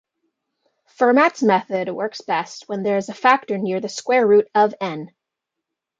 Fermat's method works best when there is a factor near the square-root of "N".